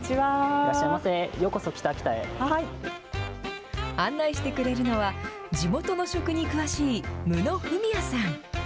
いらっしゃいませ、案内してくれるのは、地元の食に詳しい、武野郁也さん。